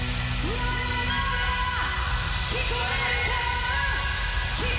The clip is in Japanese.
聞こえるか？